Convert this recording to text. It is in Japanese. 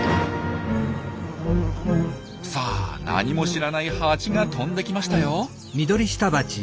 さあ何も知らないハチが飛んできましたよ。